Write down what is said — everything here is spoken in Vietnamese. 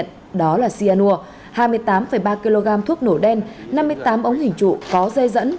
tổ thủy khai nhận đó là xia nua hai mươi tám ba kg thuốc nổ đen năm mươi tám ống hình trụ có dây dẫn